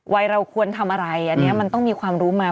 วัยเราควรทำอะไรอันนี้มันต้องมีความรู้มา